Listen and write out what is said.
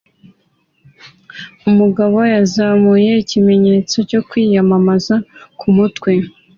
Umugabo yazamuye ikimenyetso cyo kwiyamamaza kumutwe